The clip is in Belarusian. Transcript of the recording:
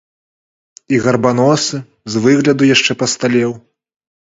І гарбаносы з выгляду яшчэ пасталеў.